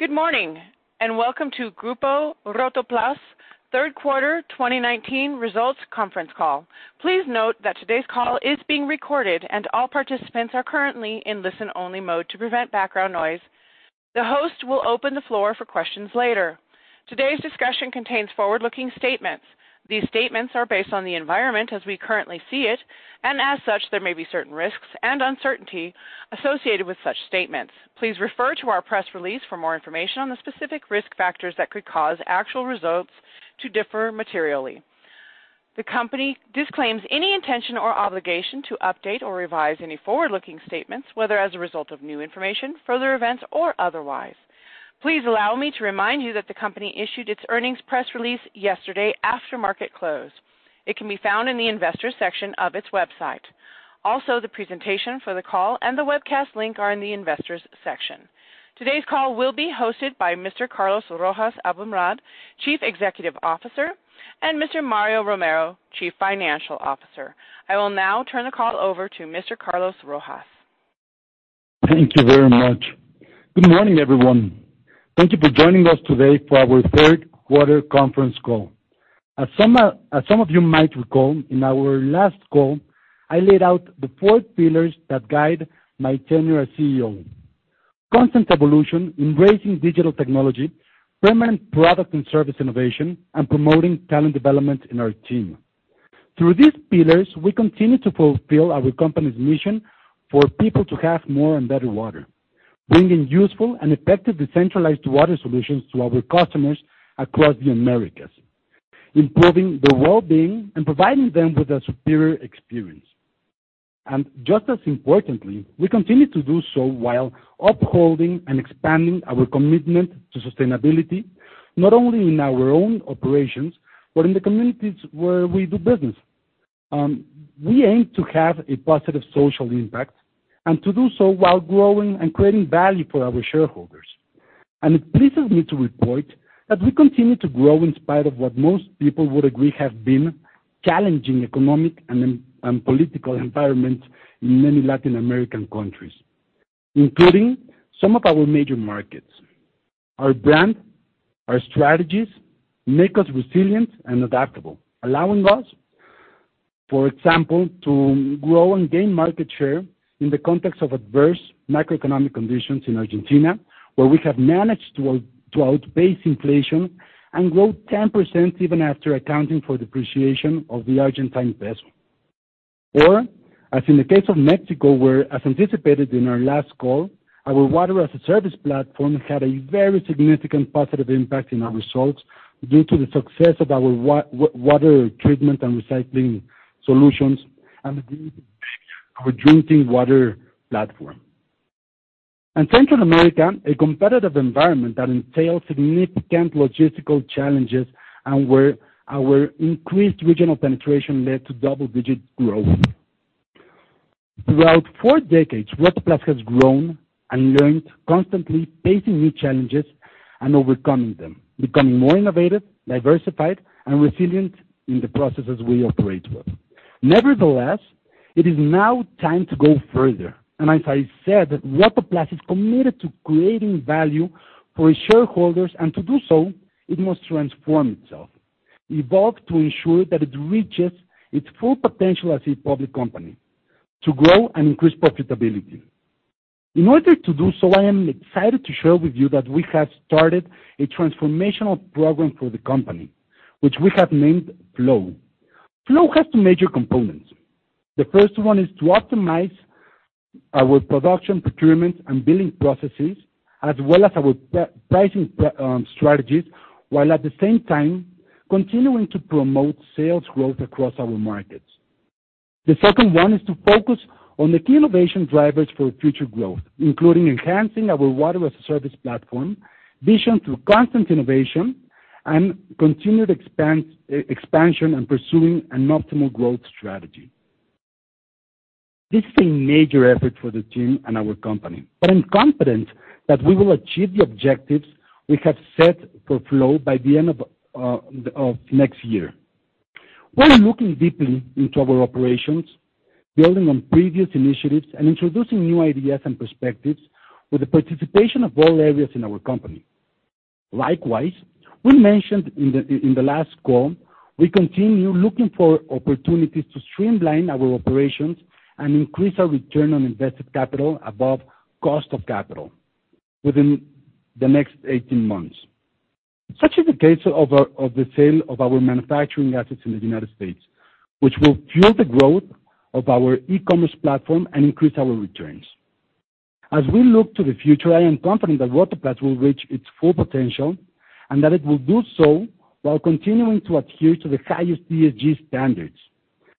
Good morning, and welcome to Grupo Rotoplas' third quarter 2019 results conference call. Please note that today's call is being recorded, and all participants are currently in listen-only mode to prevent background noise. The host will open the floor for questions later. Today's discussion contains forward-looking statements. These statements are based on the environment as we currently see it, and as such, there may be certain risks and uncertainty associated with such statements. Please refer to our press release for more information on the specific risk factors that could cause actual results to differ materially. The company disclaims any intention or obligation to update or revise any forward-looking statements, whether as a result of new information, further events, or otherwise. Please allow me to remind you that the company issued its earnings press release yesterday after market close. It can be found in the Investors section of its website. Also, the presentation for the call and the webcast link are in the Investors section. Today's call will be hosted by Mr. Carlos Rojas Aboumrad, Chief Executive Officer, and Mr. Mario Romero, Chief Financial Officer. I will now turn the call over to Mr. Carlos Rojas. Thank you very much. Good morning, everyone. Thank you for joining us today for our third quarter conference call. As some of you might recall, in our last call, I laid out the four pillars that guide my tenure as CEO: constant evolution, embracing digital technology, permanent product and service innovation, and promoting talent development in our team. Through these pillars, we continue to fulfill our company's mission for people to have more and better water, bringing useful and effective decentralized water solutions to our customers across the Americas, improving their well-being and providing them with a superior experience. Just as importantly, we continue to do so while upholding and expanding our commitment to sustainability, not only in our own operations but in the communities where we do business. We aim to have a positive social impact, and to do so while growing and creating value for our shareholders. It pleases me to report that we continue to grow in spite of what most people would agree have been challenging economic and political environments in many Latin American countries, including some of our major markets. Our brand, our strategies make us resilient and adaptable, allowing us, for example, to grow and gain market share in the context of adverse macroeconomic conditions in Argentina, where we have managed to outpace inflation and grow 10%, even after accounting for depreciation of the Argentine peso. As in the case of Mexico, where, as anticipated in our last call, our water-as-a-service platform had a very significant positive impact on our results due to the success of our water treatment and recycling solutions and our drinking water platform. In Central America, a competitive environment that entails significant logistical challenges and where our increased regional penetration led to double-digit growth. Throughout four decades, Rotoplas has grown and learned, constantly facing new challenges and overcoming them, becoming more innovative, diversified, and resilient in the processes we operate with. Nevertheless, it is now time to go further. As I said, Rotoplas is committed to creating value for its shareholders, and to do so, it must transform itself, evolve to ensure that it reaches its full potential as a public company to grow and increase profitability. In order to do so, I am excited to share with you that we have started a transformational program for the company, which we have named Flow. Flow has two major components. The first one is to optimize our production, procurement, and billing processes, as well as our pricing strategies, while at the same time continuing to promote sales growth across our markets. The second one is to focus on the key innovation drivers for future growth, including enhancing our water-as-a-service platform, vision through constant innovation, and continued expansion and pursuing an optimal growth strategy. This is a major effort for the team and our company, but I'm confident that we will achieve the objectives we have set for Flow by the end of next year. We are looking deeply into our operations, building on previous initiatives, and introducing new ideas and perspectives with the participation of all areas in our company. Likewise, we mentioned in the last call, we continue looking for opportunities to streamline our operations and increase our return on invested capital above cost of capital within the next 18 months. Such is the case of the sale of our manufacturing assets in the United States, which will fuel the growth of our e-commerce platform and increase our returns. As we look to the future, I am confident that Rotoplas will reach its full potential and that it will do so while continuing to adhere to the highest ESG standards,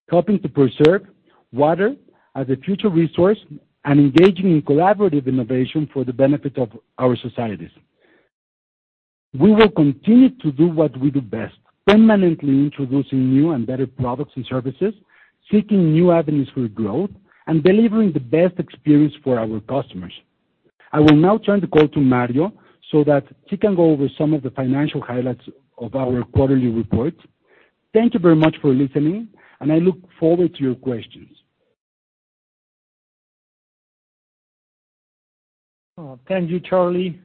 helping to preserve water as a future resource and engaging in collaborative innovation for the benefit of our societies. We will continue to do what we do best, permanently introducing new and better products and services, seeking new avenues for growth, and delivering the best experience for our customers. I will now turn the call to Mario so that he can go over some of the financial highlights of our quarterly report. Thank you very much for listening, and I look forward to your questions. Thank you, Charlie.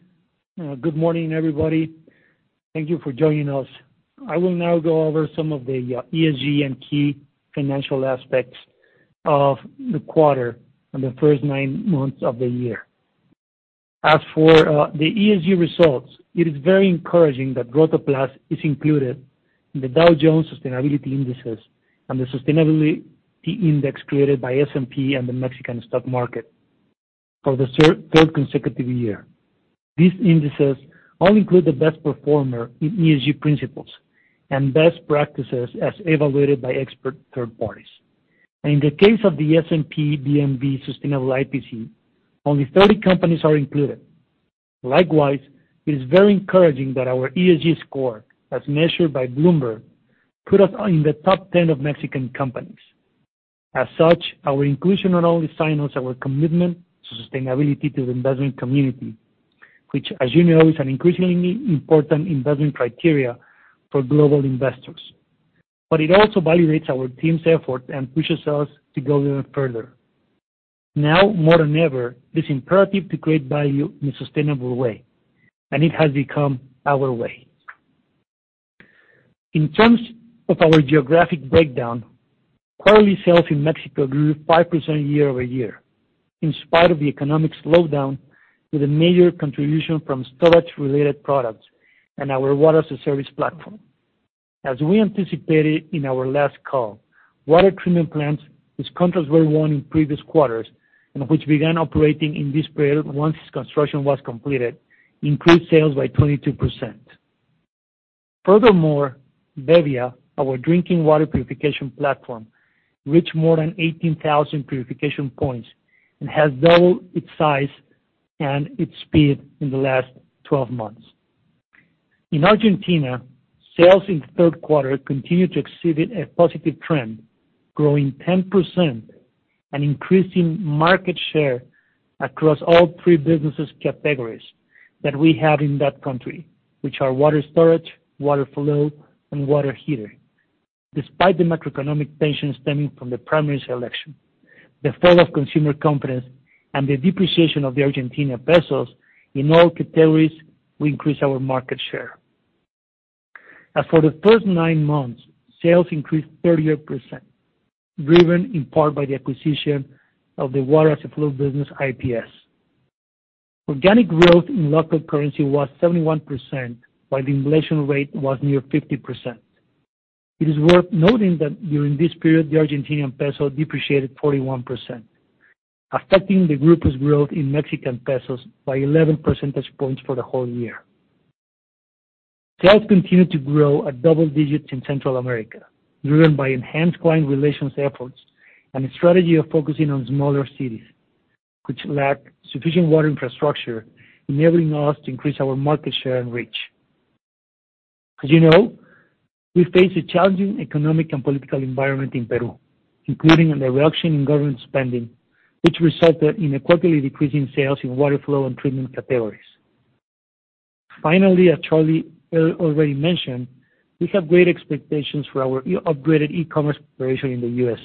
Good morning, everybody. Thank you for joining us. I will now go over some of the ESG and key financial aspects of the quarter and the first nine months of the year. As for the ESG results, it is very encouraging that Rotoplas is included in the Dow Jones Sustainability Indices and the Sustainability Index created by S&P and the Mexican stock market for the third consecutive year. These indices only include the best performer in ESG principles and best practices as evaluated by expert third parties. In the case of the S&P/BMV IPC Sustainable, only 30 companies are included. Likewise, it is very encouraging that our ESG score, as measured by Bloomberg, put us in the top 10 of Mexican companies. As such, our inclusion not only signals our commitment to sustainability to the investment community, which, as you know, is an increasingly important investment criteria for global investors. It also validates our team's effort and pushes us to go even further. Now more than ever, it is imperative to create value in a sustainable way, and it has become our way. In terms of our geographic breakdown, quarterly sales in Mexico grew 5% year-over-year, in spite of the economic slowdown with a major contribution from storage-related products and our water-as-a-service platform. As we anticipated in our last call, water treatment plants, whose contracts were won in previous quarters and which began operating in this period once construction was completed, increased sales by 22%. Furthermore, bebbia, our drinking water purification platform, reached more than 18,000 purification points and has doubled its size and its speed in the last 12 months. In Argentina, sales in the third quarter continued to exhibit a positive trend, growing 10% and increasing market share across all three business categories that we have in that country, which are water storage, water flow, and water heating. Despite the macroeconomic tensions stemming from the primary election, the fall of consumer confidence, and the depreciation of the Argentinian pesos, in all categories, we increased our market share. As for the first nine months, sales increased 38%, driven in part by the acquisition of the water-as-a-flow business, IPS. Organic growth in local currency was 71%, while the inflation rate was near 50%. It is worth noting that during this period, the Argentinian peso depreciated 41%, affecting the group's growth in Mexican pesos by 11 percentage points for the whole year. Sales continued to grow at double digits in Central America, driven by enhanced client relations efforts and a strategy of focusing on smaller cities, which lack sufficient water infrastructure, enabling us to increase our market share and reach. As you know, we face a challenging economic and political environment in Peru, including the reduction in government spending, which resulted in a quarterly decrease in sales in water flow and treatment categories. Finally, as Charlie already mentioned, we have great expectations for our upgraded e-commerce operation in the U.S.,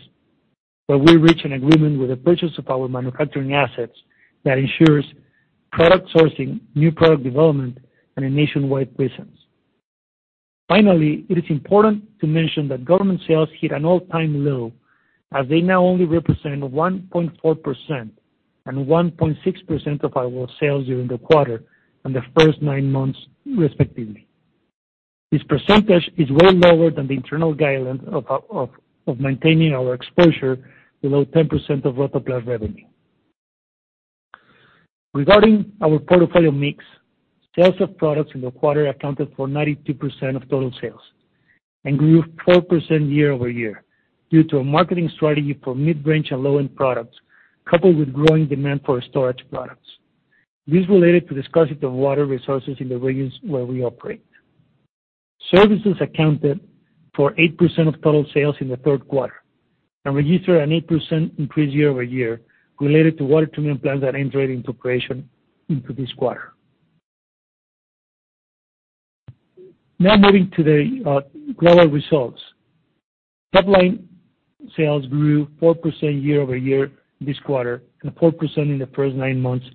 where we reached an agreement with the purchase of our manufacturing assets that ensures product sourcing, new product development, and a nationwide presence. Finally, it is important to mention that government sales hit an all-time low, as they now only represent 1.4% and 1.6% of our sales during the quarter and the first nine months, respectively. This percentage is way lower than the internal guidance of maintaining our exposure below 10% of Rotoplas revenue. Regarding our portfolio mix, sales of products in the quarter accounted for 92% of total sales and grew 4% year-over-year due to a marketing strategy for mid-range and low-end products, coupled with growing demand for storage products. This related to the scarcity of water resources in the regions where we operate. Services accounted for 8% of total sales in the third quarter and registered an 8% increase year-over-year related to water treatment plants that entered into operation into this quarter. Now moving to the global results. Topline sales grew 4% year-over-year this quarter and 4% in the first nine months,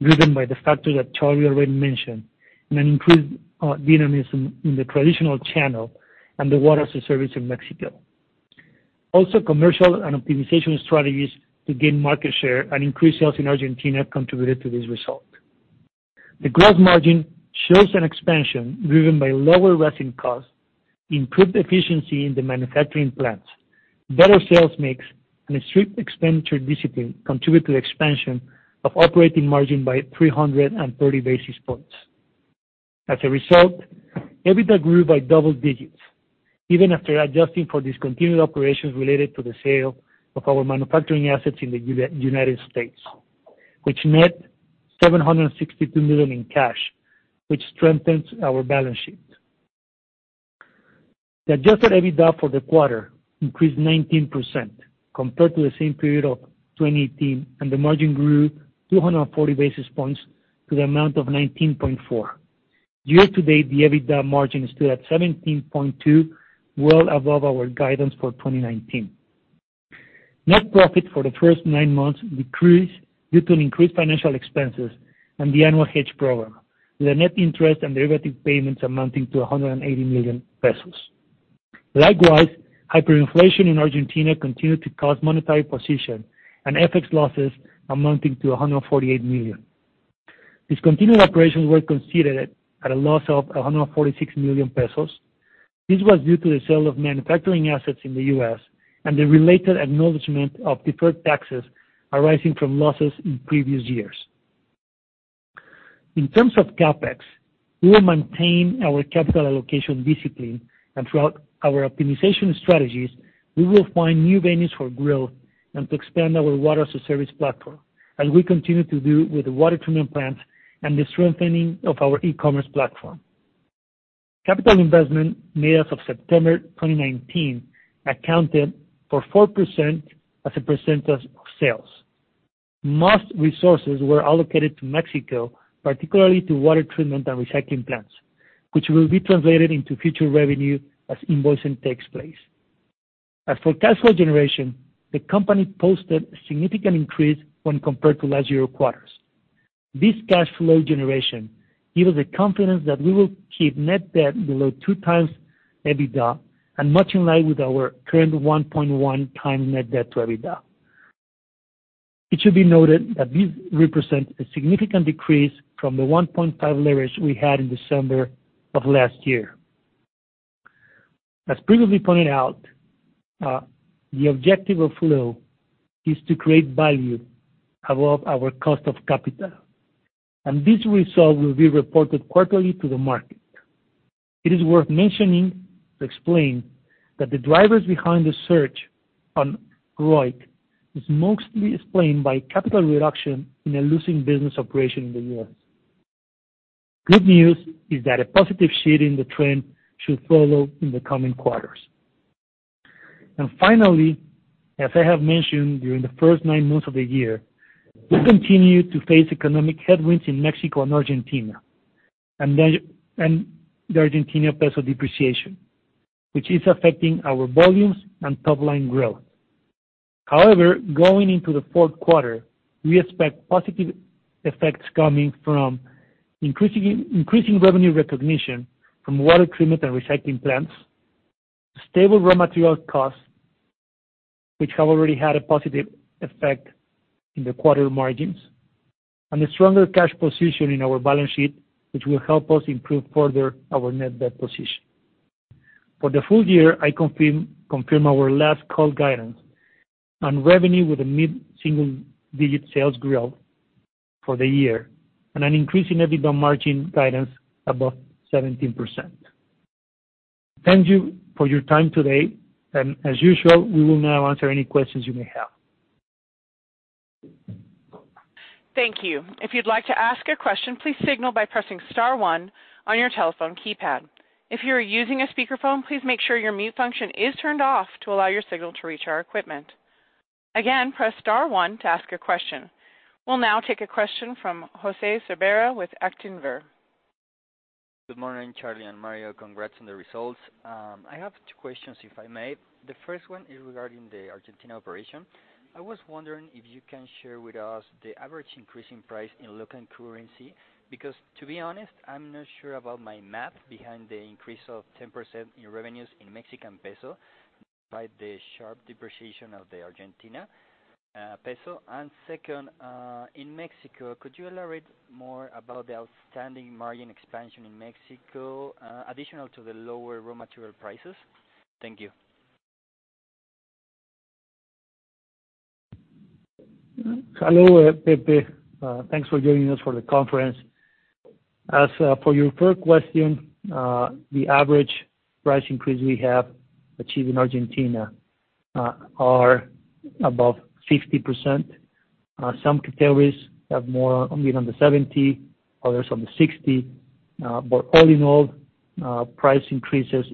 driven by the factors that Charlie already mentioned, and an increased dynamism in the traditional channel and the water-as-a-service in Mexico. Commercial and optimization strategies to gain market share and increase sales in Argentina contributed to this result. The gross margin shows an expansion driven by lower resin costs, improved efficiency in the manufacturing plants, better sales mix, and a strict expenditure discipline contribute to the expansion of operating margin by 330 basis points. EBITDA grew by double digits, even after adjusting for discontinued operations related to the sale of our manufacturing assets in the U.S., which net 762 million in cash, which strengthens our balance sheet. The adjusted EBITDA for the quarter increased 19% compared to the same period of 2018, and the margin grew 240 basis points to the amount of 19.4%. Year-to-date, the EBITDA margin stood at 17.2%, well above our guidance for 2019. Net profit for the first nine months decreased due to increased financial expenses and the annual hedge program, with net interest and derivative payments amounting to 180 million pesos. Likewise, hyperinflation in Argentina continued to cause monetary position and FX losses amounting to 148 million. Discontinued operations were considered at a loss of 146 million pesos. This was due to the sale of manufacturing assets in the U.S. and the related acknowledgement of deferred taxes arising from losses in previous years. In terms of CapEx, we will maintain our capital allocation discipline and throughout our optimization strategies, we will find new venues for growth and to expand our water-as-a-service platform as we continue to do with the water treatment plants and the strengthening of our e-commerce platform. Capital investment made as of September 2019 accounted for 4% as a percentage of sales. Most resources were allocated to Mexico, particularly to water treatment and recycling plants, which will be translated into future revenue as invoicing takes place. As for cash flow generation, the company posted a significant increase when compared to last year quarters. This cash flow generation gives us the confidence that we will keep net debt below 2 times EBITDA and much in line with our current 1.1 times net debt to EBITDA. It should be noted that this represents a significant decrease from the 1.5 leverage we had in December of last year. As previously pointed out, the objective of Flow is to create value above our cost of capital. This result will be reported quarterly to the market. It is worth mentioning, to explain, that the drivers behind the search on ROIC is mostly explained by capital reduction in a losing business operation in the U.S. Good news is that a positive shift in the trend should follow in the coming quarters. Finally, as I have mentioned, during the first nine months of the year, we continue to face economic headwinds in Mexico and Argentina, and the Argentine peso depreciation, which is affecting our volumes and top-line growth. However, going into the fourth quarter, we expect positive effects coming from increasing revenue recognition from water treatment and recycling plants, stable raw material costs, which have already had a positive effect in the quarter margins, and a stronger cash position in our balance sheet, which will help us improve further our net debt position. For the full year, I confirm our last call guidance on revenue with a mid-single-digit sales growth for the year and an increase in EBITDA margin guidance above 17%. Thank you for your time today, and as usual, we will now answer any questions you may have. Thank you. If you'd like to ask a question, please signal by pressing star one on your telephone keypad. If you are using a speakerphone, please make sure your mute function is turned off to allow your signal to reach our equipment. Again, press star one to ask a question. We'll now take a question from Jose Sobera with Actinver. Good morning, Charlie and Mario. Congrats on the results. I have two questions, if I may. The first one is regarding the Argentina operation. I was wondering if you can share with us the average increase in price in local currency, because to be honest, I'm not sure about my math behind the increase of 10% in revenues in MXN by the sharp depreciation of the Argentina peso. Second, in Mexico, could you elaborate more about the outstanding margin expansion in Mexico, additional to the lower raw material prices? Thank you. Hello, Pepe. Thanks for joining us for the conference. As for your first question, the average price increase we have achieved in Argentina are above 50%. Some categories have more, only on the 70%, others on the 60%. All in all, average price increase has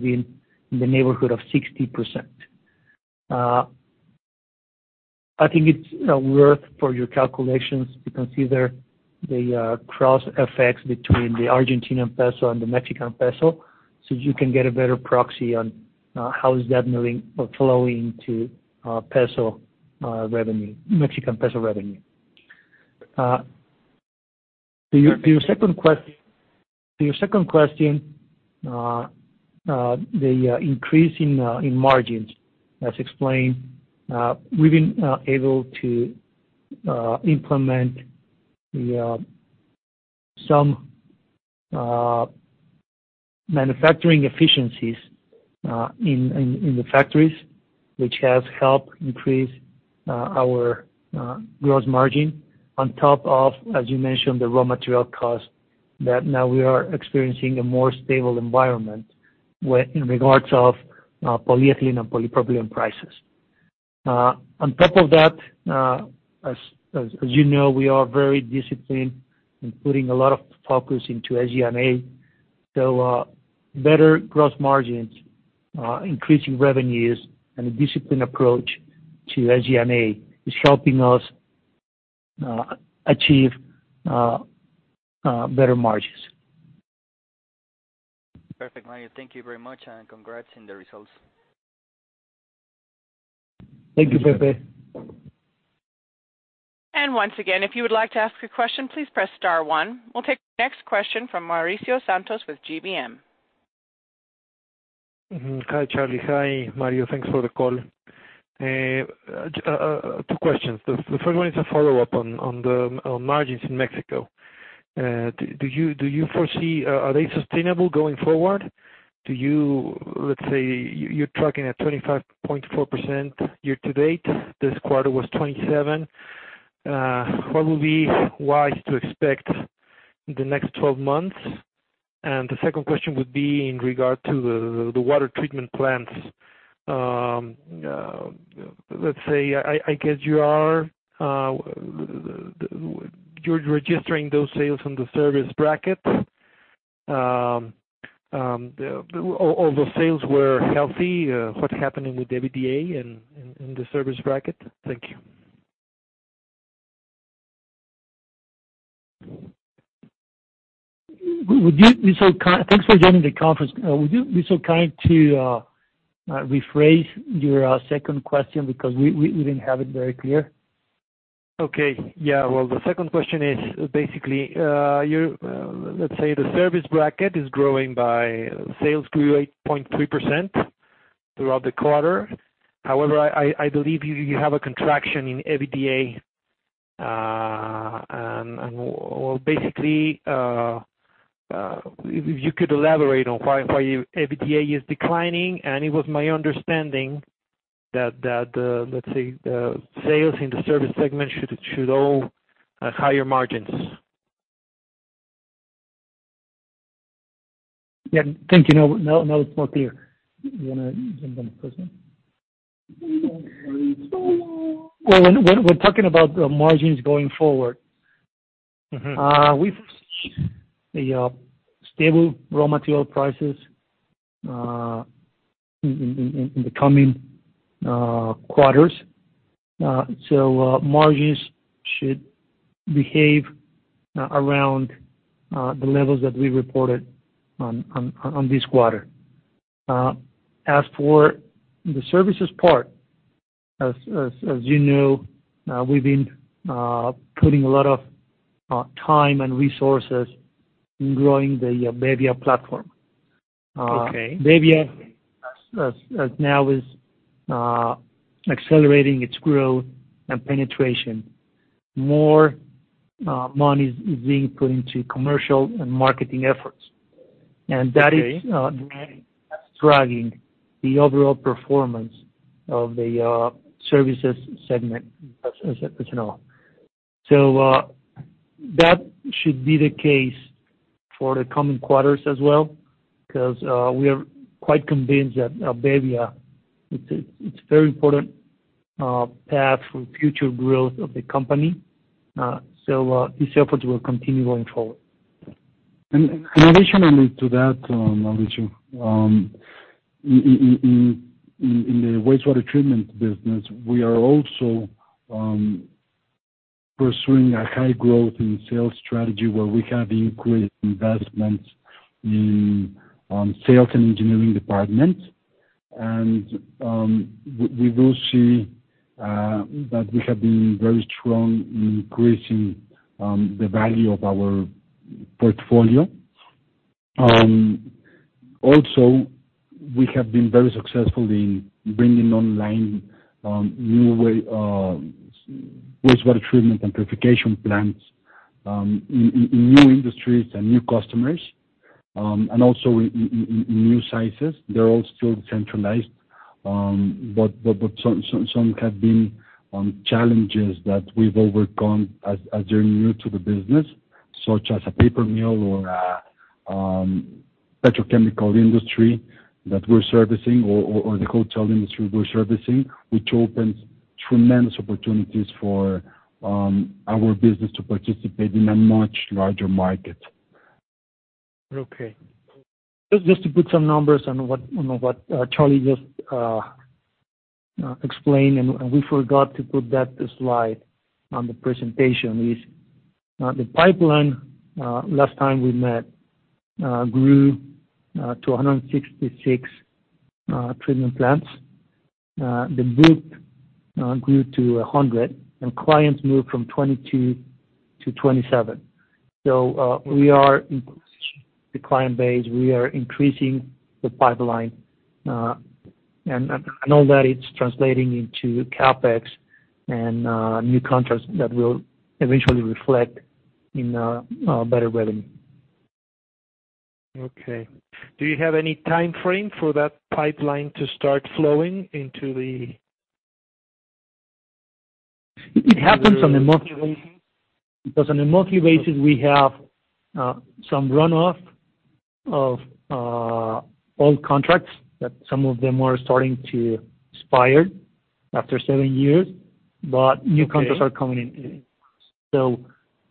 been in the neighborhood of 60%. I think it's worth for your calculations to consider the cross effects between the Argentinian peso and the Mexican peso, you can get a better proxy on how is that moving or flowing to Mexican peso revenue. To your second question, the increase in margins. As explained, we've been able to implement some manufacturing efficiencies in the factories, which has helped increase our gross margin on top of, as you mentioned, the raw material cost, that now we are experiencing a more stable environment in regards of polyethylene and polypropylene prices. On top of that, as you know, we are very disciplined in putting a lot of focus into SG&A. Better gross margins, increasing revenues, and a disciplined approach to SG&A is helping us achieve better margins. Perfect, Mario. Thank you very much, and congrats on the results. Thank you, Pepe. Once again, if you would like to ask a question, please press star one. We'll take the next question from Mauricio Santos with GBM. Hi, Charlie. Hi, Mario. Thanks for the call. Two questions. The first one is a follow-up on the margins in Mexico. Do you foresee, are they sustainable going forward? Let's say, you're tracking at 25.4% year to date. This quarter was 27%. What would be wise to expect in the next 12 months? The second question would be in regard to the water treatment plants. Let's say, I guess you're registering those sales in the service bracket. Although sales were healthy, what's happening with EBITDA and the service bracket? Thank you. Thanks for joining the conference. Would you be so kind to rephrase your second question because we didn't have it very clear? Okay. Yeah. Well, the second question is basically, let's say the service bracket is growing by sales grew 8.3% throughout the quarter. However, I believe you have a contraction in EBITDA. Basically, if you could elaborate on why your EBITDA is declining, and it was my understanding that, let's say, the sales in the service segment should show higher margins. Yeah, thank you. Now it's more clear. You want to jump on, Pepe? Well, when we're talking about the margins going forward. We foresee stable raw material prices in the coming quarters. Margins should behave around the levels that we reported on this quarter. As for the services part, as you know, we've been putting a lot of time and resources in growing the bebbia platform. Okay. bebbia now is accelerating its growth and penetration. More money is being put into commercial and marketing efforts. Okay. That is driving the overall performance of the services segment as a per se. That should be the case for the coming quarters as well, because we are quite convinced that bebbia, it's a very important path for future growth of the company. These efforts will continue going forward. Additionally to that, Mauricio, in the wastewater treatment business, we are also pursuing a high growth in sales strategy where we have increased investments in sales and engineering departments. We will see that we have been very strong in increasing the value of our portfolio. Also, we have been very successful in bringing online new wastewater treatment and purification plants in new industries and new customers. Also, in new sizes. They're all still centralized. Some have been challenges that we've overcome as they're new to the business, such as a paper mill or a petrochemical industry that we're servicing or the hotel industry we're servicing, which opens tremendous opportunities for our business to participate in a much larger market. Just to put some numbers on what Charlie just explained, and we forgot to put that slide on the presentation, is the pipeline, last time we met, grew to 166 treatment plants. The book grew to 100. Clients moved from 22 to 27. We are increasing the client base, we are increasing the pipeline. I know that it's translating into CapEx and new contracts that will eventually reflect in a better rhythm. Okay. Do you have any timeframe for that pipeline to start flowing into the. It happens on a monthly basis. On a monthly basis, we have some runoff of old contracts that some of them are starting to expire after seven years, but new contracts. Okay are coming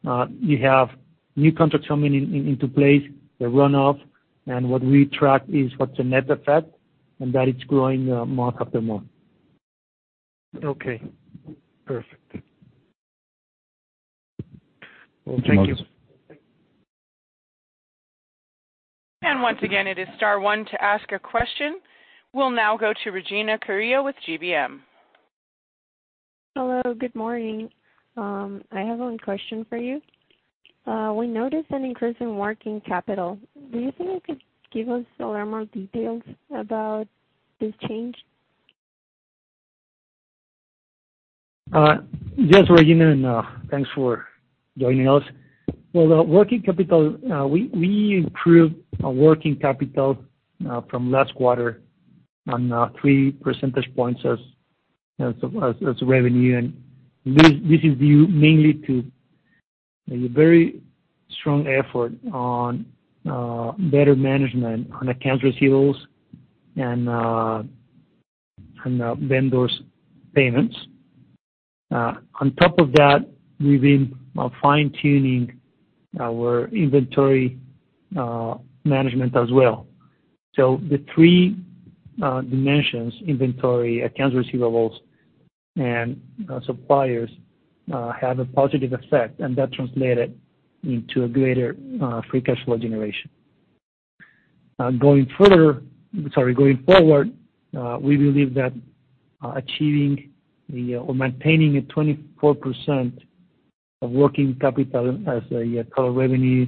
in. We have new contracts coming into place, the runoff, and what we track is what the net effect, and that it's growing month after month. Okay. Perfect. Well, thank you. Thank you. Once again, it is star one to ask a question. We will now go to Regina Carrillo with GBM. Hello, good morning. I have one question for you. We noticed an increase in working capital. Do you think you could give us a little more details about this change? Yes, Regina, thanks for joining us. Well, the working capital, we improved our working capital from last quarter on three percentage points as revenue. This is due mainly to a very strong effort on better management on accounts receivables and vendors' payments. On top of that, we've been fine-tuning our inventory management as well. The three dimensions, inventory, accounts receivables, and suppliers, have a positive effect, and that translated into a greater free cash flow generation. Sorry. Going forward, we believe that achieving or maintaining a 24% of working capital as a total revenue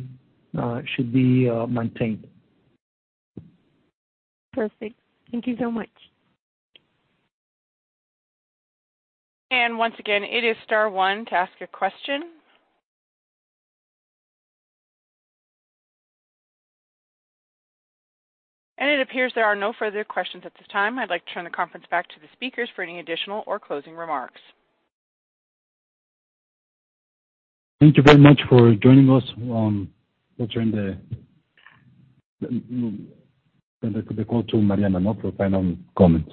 should be maintained. Perfect. Thank you so much. Once again, it is star one to ask a question. It appears there are no further questions at this time. I'd like to turn the conference back to the speakers for any additional or closing remarks. Thank you very much for joining us. We'll turn the call to Mariana now for final comments.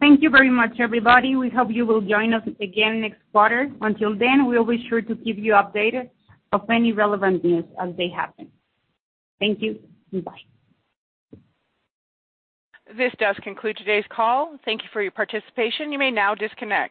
Thank you very much, everybody. We hope you will join us again next quarter. Until then, we'll be sure to keep you updated of any relevant news as they happen. Thank you. Goodbye. This does conclude today's call. Thank you for your participation. You may now disconnect.